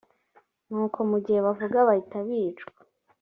nuko mu gihe bavuga bahita bicwa